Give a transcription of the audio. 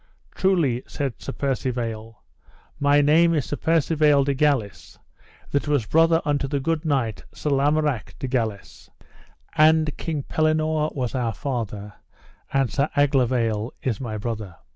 Truly, said Sir Percivale, my name is Sir Percivale de Galis, that was brother unto the good knight, Sir Lamorak de Galis, and King Pellinore was our father, and Sir Aglovale is my brother.